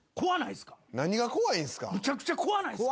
むちゃくちゃ怖ないっすか？